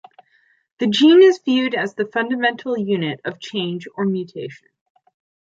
The gene is viewed as the fundamental unit of change or mutation.